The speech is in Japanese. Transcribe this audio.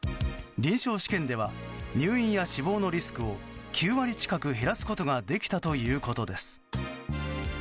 臨床試験では入院や死亡のリスクを９割近く減らすことができたということです。